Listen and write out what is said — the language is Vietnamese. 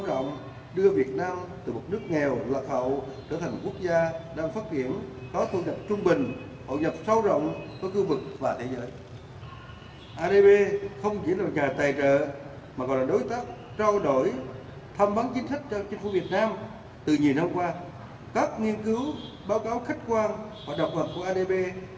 từ nhiều năm qua các nghiên cứu báo cáo khách quan và đọc vật của adb về kinh tế việt nam luôn là tài liệu thăm khẩu tốt cho chính phủ việt nam